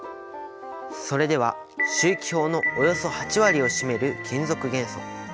それでは周期表のおよそ８割を占める金属元素。